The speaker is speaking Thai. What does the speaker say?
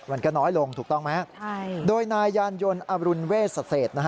มันก็น้อยลงถูกต้องไหมโดยนายยานยนต์อรุณเวช